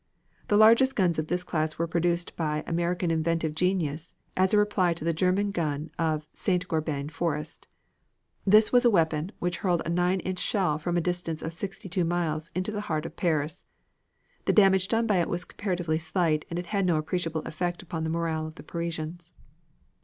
The largest guns of this class were produced by American inventive genius as a reply to the German gun of St. Gobain Forest. This was a weapon which hurled a nine inch shell from a distance of sixty two miles into the heart of Paris. The damage done by it was comparatively slight and it had no appreciable effect upon the morale of the Parisians.